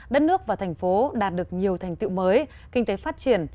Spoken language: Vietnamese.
đất nước và thành phố đạt được nhiều thành tiệu mới kinh tế phát triển